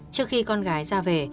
trước khi con gái ra về